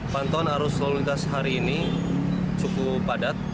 pantauan arus lalu lintas hari ini cukup padat